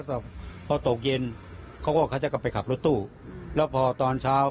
ก็พอตกเย็นเขาก็เขาจะกลับไปขับรถตู้แล้วพอตอนเช้า